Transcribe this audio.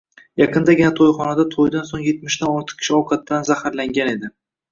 Yaqindagina toʻyxonada toʻydan soʻng etmishdan ortiq kishi ovqatdan zaharlangan edi.